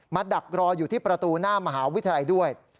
ดักรออยู่ที่ประตูหน้ามหาวิทยาลัยด้วย